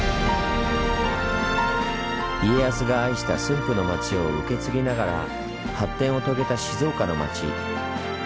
家康が愛した駿府の町を受け継ぎながら発展を遂げた静岡の町。